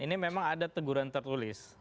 ini memang ada teguran tertulis